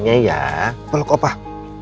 nah peluk opah